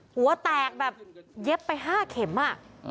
หัวแตกแบบเย็บไป๕เข็มอ่ะ